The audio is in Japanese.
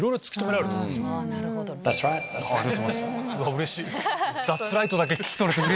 うれしい！